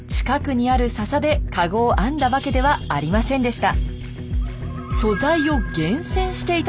近くにあるササでカゴを編んだわけではありませんでした。